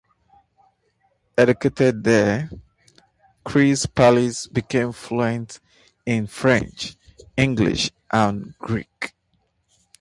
Educated there, Chris Pallis became fluent in French, English and Greek.